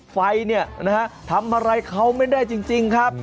ไฟเนี่ยนะฮะทำอะไรเขาไม่ได้จริงครับ